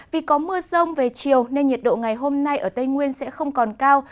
vì có mưa rông về chiều nên nhiệt độ ngày hôm nay ở tây nguyên sẽ không còn cao